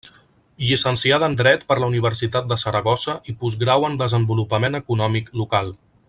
Llicenciada en Dret per la Universitat de Saragossa i Postgrau en Desenvolupament Econòmic Local.